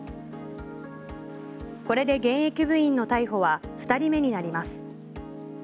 これで現役部員の逮捕は２人目になります。